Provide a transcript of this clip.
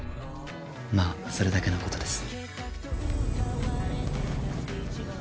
まあそれだけの事です。